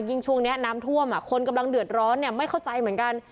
ช่วงนี้น้ำท่วมคนกำลังเดือดร้อนไม่เข้าใจเหมือนกัน